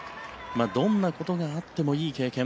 どんなことがあってもいい経験